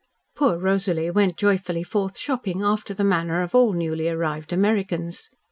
Poor Rosalie went joyfully forth shopping after the manner of all newly arrived Americans.